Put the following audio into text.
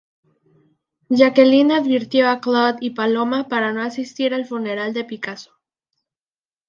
Jacqueline advirtió a Claude y Paloma para no asistir al funeral de Picasso.